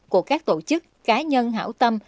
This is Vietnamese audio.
của các tổ chức cá nhân hảo tâm